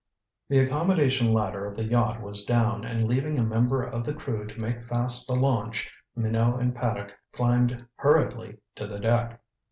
The accommodation ladder of the yacht was down, and leaving a member of the crew to make fast the launch, Minot and Paddock climbed hurriedly to the deck.